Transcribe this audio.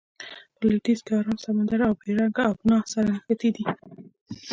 په لویدیځ کې ارام سمندر او بیرنګ آبنا سره نښتې ده.